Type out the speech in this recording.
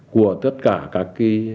của tất cả các